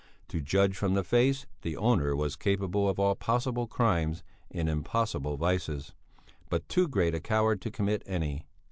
To judge from the face, the owner was capable of all possible crimes and impossible vices, but too great a coward to commit any.